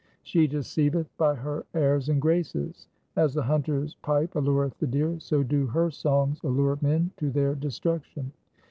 ^She deceiveth by her airs and graces. As the hunter's pipe allureth the deer, so do her songs allure men to their de struction.